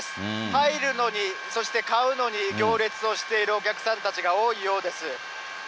入るのに、そして買うのに行列をしているお客さんたちが多いようです。